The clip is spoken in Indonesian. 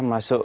masuk ke satu